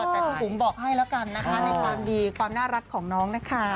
แต่พี่บุ๋มบอกให้แล้วกันนะคะในความดีความน่ารักของน้องนะคะ